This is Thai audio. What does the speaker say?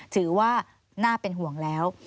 ถือว่าน่าเป็นห่วงแล้ว